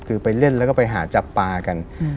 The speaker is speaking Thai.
คือไปเล่นแล้วก็ไปหาจับปลากัน